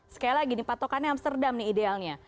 sekali lagi nih patokannya amsterdam nih idealnya